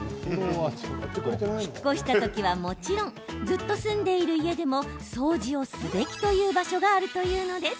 引っ越した時は、もちろんずっと住んでいる家でも掃除をすべきという場所があるというのです。